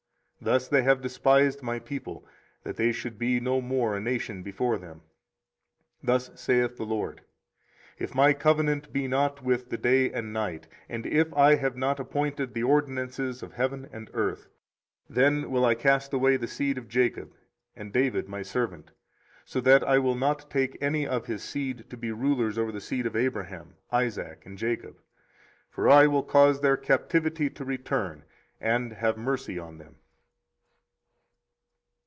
thus they have despised my people, that they should be no more a nation before them. 24:033:025 Thus saith the LORD; If my covenant be not with day and night, and if I have not appointed the ordinances of heaven and earth; 24:033:026 Then will I cast away the seed of Jacob and David my servant, so that I will not take any of his seed to be rulers over the seed of Abraham, Isaac, and Jacob: for I will cause their captivity to return, and have mercy on them.